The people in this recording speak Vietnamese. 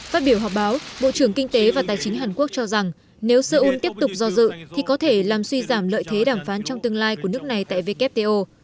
phát biểu họp báo bộ trưởng kinh tế và tài chính hàn quốc cho rằng nếu seoul tiếp tục do dự thì có thể làm suy giảm lợi thế đàm phán trong tương lai của nước này tại wto